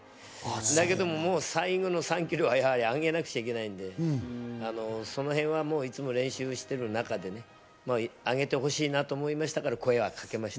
だけども、もう最後の３ｋｍはあげなくちゃいけないので、そのへんはもういつも練習している中でね、上げてほしいなと思いましたから声をかけました。